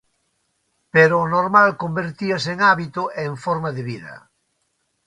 Pero o normal convertíase en hábito e en forma de vida.